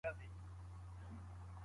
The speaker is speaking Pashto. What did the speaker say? ورزش د انسان پر ځان باور زیاتوي.